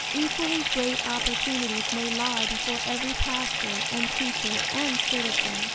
Equally great opportunities may lie before every pastor and teacher and citizen.